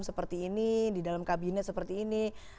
seperti ini di dalam kabinet seperti ini